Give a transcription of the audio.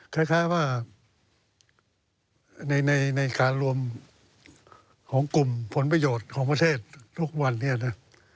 คล้ายว่าในการรวมของกลุ่มผลประโยชน์ของประเทศทุกวันนี้นะ